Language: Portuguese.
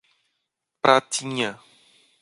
Pratinha